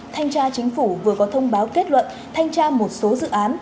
thanh tra chính phủ vừa có thông báo kết luận thanh tra một số dự án